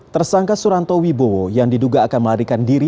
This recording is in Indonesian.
tersangka suranto wibowo yang diduga akan melarikan diri